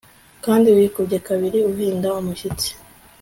Kandi wikubye kabiri uhinda umushyitsi